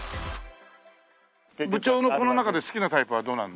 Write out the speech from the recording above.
部長のこの中で好きなタイプはどれなんですか？